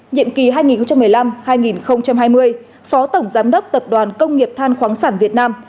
nhiệm kỳ hai nghìn một mươi năm hai nghìn hai mươi phó tổng giám đốc tập đoàn công nghiệp than khoáng sản việt nam